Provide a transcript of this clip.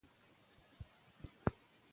پښتو ته د خدمت لپاره لستوڼي را بډ وهئ.